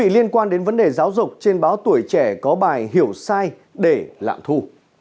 liên quan đến vấn đề giáo dục trên báo tuổi trẻ có bài hiểu sai để lạm thu